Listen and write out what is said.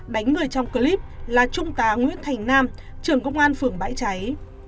đánh người trong clip là trung tá nguyễn thành nam trưởng công an phường bãi cháy